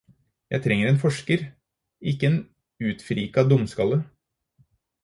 Jeg trenger en forsker, ikke en utfrika dumskalle